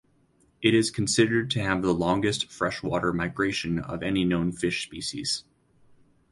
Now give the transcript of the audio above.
It is considered to have the longest freshwater migration of any known fish species